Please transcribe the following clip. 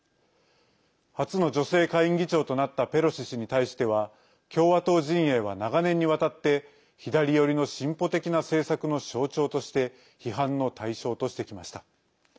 初の女性下院議長となったペロシ氏に対しては共和党陣営は長年にわたって左寄りの進歩的な政策の象徴として批判の対象としてきました。